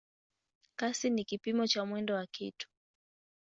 Kasi ni kipimo cha mwendo wa kitu.